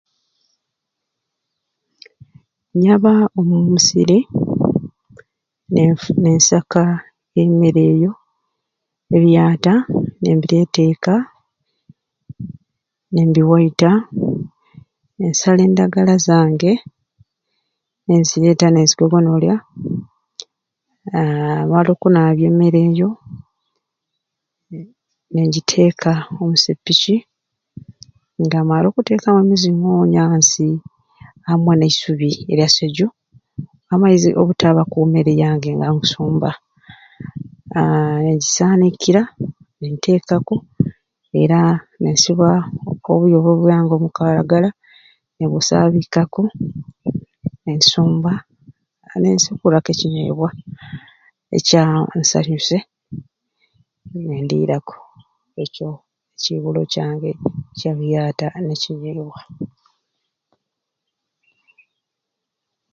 Nyaba omu musiri ne nensaka emmere eyo ebiyaata nembireta ekka nembiwaita ne nsala endagala zange nenzireta ninzigogonolya aa mmare oku naabya emmere eyo nigyiteeka omu sepiki nga mmare okutekamu emizingonyo ansi amwei neisubbi erya sejju amaizi obutaaba ku mmere yange nga okusumba aa ningisanikira nintekaku era ninsiba obu yobyo bwange omunkalagala nimbusanikaku ninsumba ninsumbiraku ekinyebwa ekya nsanyuse nindiraku ekyi kibulo kyange ekya biyaata be kinyebwa